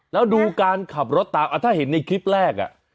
แล้วดูการขับรถตามถ้าเห็นในคลิปแรก